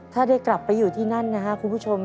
ถ้าได้กลับไปอยู่ที่นั่นนะครับคุณผู้ชม